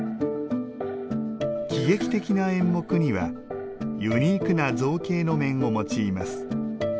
喜劇的な演目にはユニークな造形の面を用います。